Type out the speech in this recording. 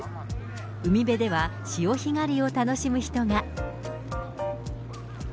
海辺では潮干狩りを楽しむ人が。